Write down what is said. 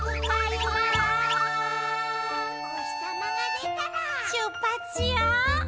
「おひさまがでたらしゅっぱしよう！」